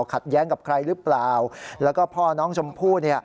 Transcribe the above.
ขัดแย้งกับใครหรือเปล่าแล้วก็พ่อน้องชมพู่